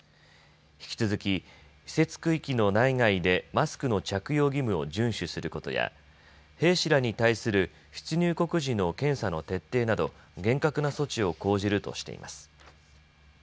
引き続き施設区域の内外でマスクの着用義務を順守することや兵士らに対する出入国時の検査の徹底など厳格な措置を講じるとしています。